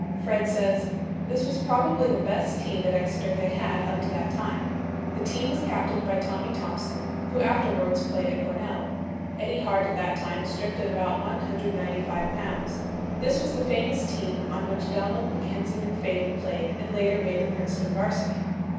Fred says: "This was probably the best team that Exeter had had up to that time. The team was captained by Tommy Thompson, who afterwards played at Cornell. Eddie Hart at that time stripped at about 195 pounds. This was the famous team on which Donald MacKenzie MacFadyen played and later made the Princeton varsity.